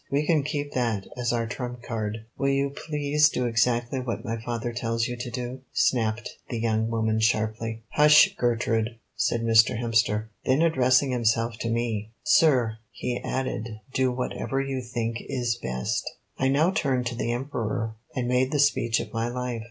We can keep that as our trump card." "Will you please do exactly what my father tells you to," snapped the young woman sharply. "Hush, Gertrude!" said Mr. Hemster. Then, addressing himself to me: "Sir," he added, "do whatever you think is best." I now turned to the Emperor, and made the speech of my life.